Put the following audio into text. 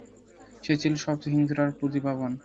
সে ছিল সবচেয়ে হিংস্র আর প্রতিভাবান।